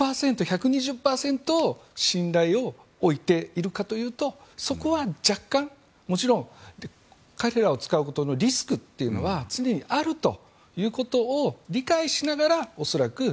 信頼を置いているかというとそこは若干もちろん彼らを使うことのリスクというのは常にあるということを理解しながら恐らく。